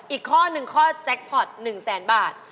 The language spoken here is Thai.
อีกข้อหนึ่งข้อแจ็คพอต๑๐๐๐๐๐บาท